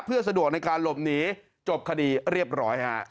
เพื่อสะดวกในการหลบหนีจบคดีเรียบร้อยฮะ